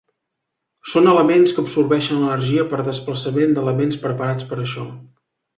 Són elements que absorbeixen l'energia per desplaçament d'elements preparats per a això.